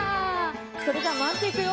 それじゃあ回していくよ。